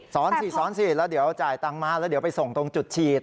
สิซ้อนสิแล้วเดี๋ยวจ่ายตังค์มาแล้วเดี๋ยวไปส่งตรงจุดฉีด